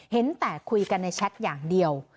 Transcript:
เห็นแต่คุยกันในแชทอย่างเดียว